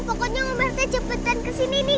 pokoknya om rt cepetan kesini nih